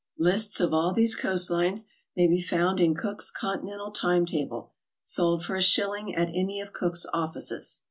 Lists of all these co<ast lines may be found in Cook's Continental Time Table, sold for a shilling at any of Cook's offices.